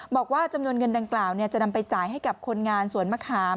บอกว่าจำนวนเงินดังกล่าวจะนำไปจ่ายให้กับคนงานสวนมะขาม